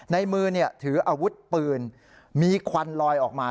ในมือถืออาวุธปืนมีควันลอยออกมา